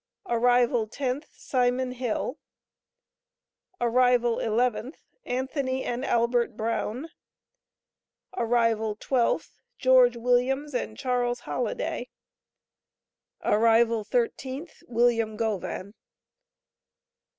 Arrival 10th. Simon Hill. Arrival 11th. Anthony and Albert Brown. Arrival 12th. George Williams and Charles Holladay. Arrival 13th. William Govan.